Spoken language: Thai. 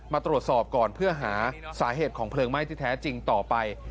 มาตรวจสอบก่อนเพื่อหาสาเหตุของเพลิงไหม้ที่แท้จริงต่อไป